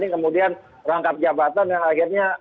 kemudian rangkap jabatan yang akhirnya